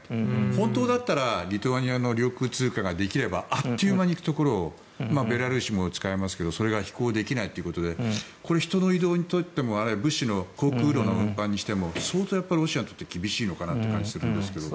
本当だったらリトアニアの領空通過ができればあっという間に行くところをベラルーシも使えますけどそれが飛行できないということでこれは人の移動にとってもあるいは物資の航空路の運搬にとっても相当ロシアにとって厳しいのかなという感じがするんですけど。